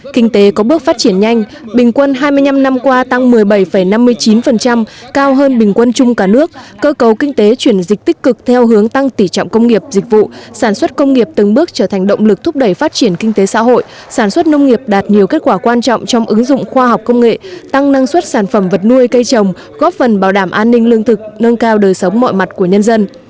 kinh tế có bước phát triển nhanh bình quân hai mươi năm năm qua tăng một mươi bảy năm mươi chín cao hơn bình quân chung cả nước cơ cầu kinh tế chuyển dịch tích cực theo hướng tăng tỉ trọng công nghiệp dịch vụ sản xuất công nghiệp từng bước trở thành động lực thúc đẩy phát triển kinh tế xã hội sản xuất nông nghiệp đạt nhiều kết quả quan trọng trong ứng dụng khoa học công nghệ tăng năng suất sản phẩm vật nuôi cây trồng góp phần bảo đảm an ninh lương thực nâng cao đời sống mọi mặt của nhân dân